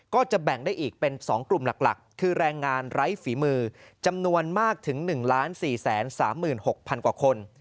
ก็จะแบ่งได้อีกเป็นสองกลุ่มหลักหลักคือแรงงานไร้ฝีมือจำนวนมากถึงหนึ่งล้านสี่แสนสามหมื่นหกพันกว่าคน